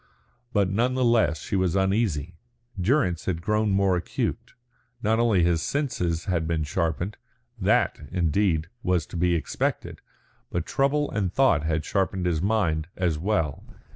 But none the less she was uneasy. Durrance had grown more acute. Not only his senses had been sharpened, that, indeed, was to be expected, but trouble and thought had sharpened his mind as well.